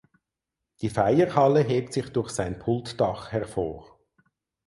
Die Feierhalle hebt sich durch sein Pultdach hervor.